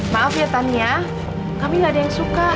maaf ya tania kami nggak ada yang suka